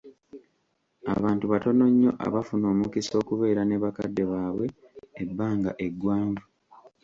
Abantu batono nnyo abafuna omukisa okubeera ne bakadde baabwe ebbanga eggwanvu .